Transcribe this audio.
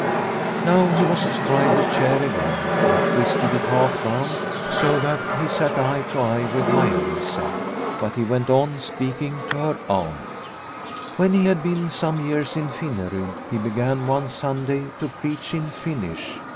Now he was astride the chair again and twisted it half round so that he sat eye to eye 152 Liliecrona's Home with Maia Lisa. But he went on speaking to her aunt. When he had been some years in Finnerud he began one Sunday to preach in Finnish.